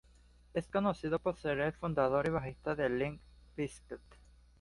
Es conocido por ser el fundador y bajista de Limp Bizkit.